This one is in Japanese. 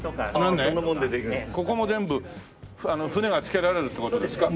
ここも全部船が着けられるって事ですか？